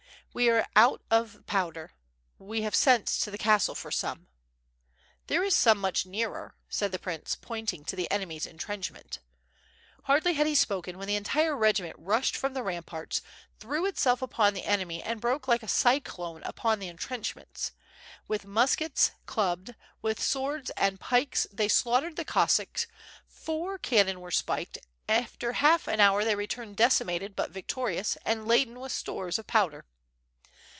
'^e are out of powder, we have sent to the castle for some. "There is some much nearer,'* said the prince, pointing to the enemy's entrenchment. Hardly had he spoken when the entire regiment rushed from the ramparts, threw itself upon the enemy, and broke like a cyclone upon the entrenchments. With muskets clubbed, with swords and pikes, they slaughtered the Cos sacks; four cannon were spiked; after half an hour they re turned decimated, but victorious, and laden with stores of powder.